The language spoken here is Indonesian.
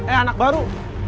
eh anak baru